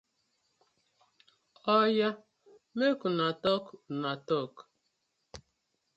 Oya mek una talk una talk.